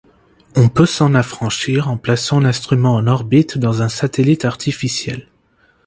On peut s'en affranchir en plaçant l'instrument en orbite, dans un satellite artificiel.